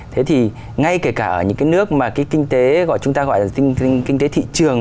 thế thì ngay kể cả ở những cái nước mà cái kinh tế gọi chúng ta gọi là kinh tế thị trường